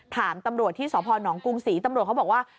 ถามตำรวจที่สพนกรุงศรีตำรวจเขาบอกว่า